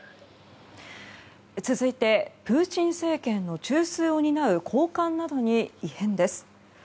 続いてプーチン政権の中枢を担う高官などに異変です。